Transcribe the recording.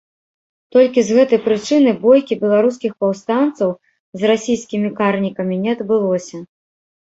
Толькі з гэтай прычыны бойкі беларускіх паўстанцаў з расійскімі карнікамі не адбылося.